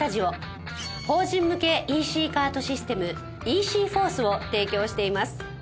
法人向け ＥＣ カートシステム「ｅｃｆｏｒｃｅ」を提供しています